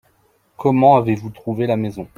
Comment avez-vous trouver la maison ?